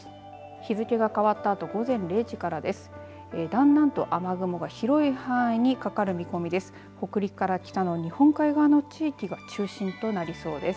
日付が変わったあと午前０時からです。